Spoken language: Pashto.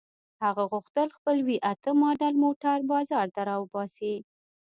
هغه غوښتل خپل وي اته ماډل موټر بازار ته را وباسي.